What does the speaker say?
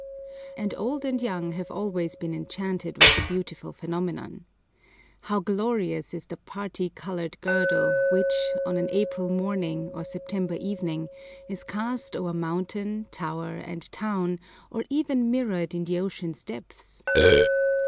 And old and young have always been enchanted with the beautiful phenomenon. How glorious is the parti coloured girdle which, on an April morning or September evening, is cast o'er mountain, tower, and town, or even mirrored in the ocean's depths!